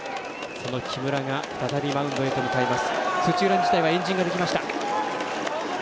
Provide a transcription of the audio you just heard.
その木村が再びマウンドへと向かいます。